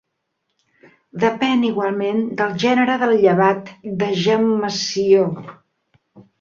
Depèn igualment del gènere del llevat de gemmació.